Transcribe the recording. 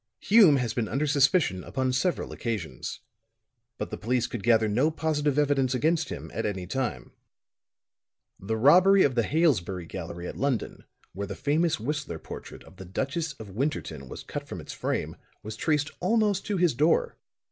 "Hume has been under suspicion upon several occasions. But the police could gather no positive evidence against him, at any time. The robbery of the Hailesbury gallery at London, when the famous Whistler portrait of the Duchess of Winterton was cut from its frame, was traced almost to his door.